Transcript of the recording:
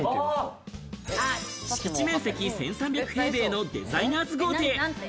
敷地面積１３００平米のデザイナーズ豪邸。